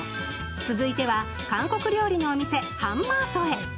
続いては韓国料理のお店ハンマートへ。